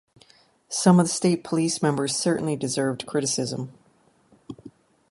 Some of the state police members certainly deserved criticism.